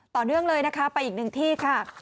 ต่อเนื่องเลยนะคะไปอีกหนึ่งที่ค่ะ